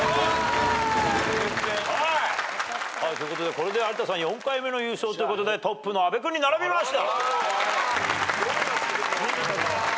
これで有田さん４回目の優勝ってことでトップの阿部君に並びました。